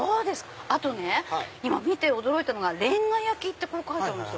あとね今見て驚いたのがレンガ焼きって書いてあるんです。